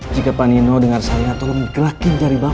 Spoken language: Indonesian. jika pak nino dengar saya tolong dikerahkan dari bapak